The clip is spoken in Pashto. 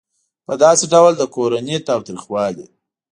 په داسې ډول د کورني تاوتریخوالي